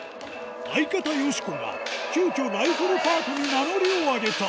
相方よしこが急遽ライフルパートに名乗りを上げた